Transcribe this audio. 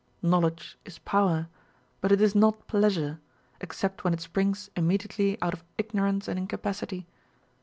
Knowledge is power ; but it is not pleasure, except when it springs immediately out of ignorance and incapacity.